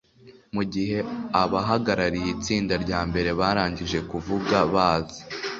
Mu gihe abahagarariye itsinda rya mbere barangije kuvuga baza